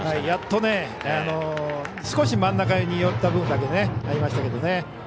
やっと少し真ん中によった分だけありましたけどね。